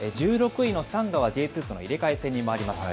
１６位のサンガは、Ｊ２との入れ替え戦に回ります。